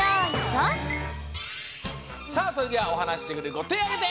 さあそれではおはなししてくれるこてあげて！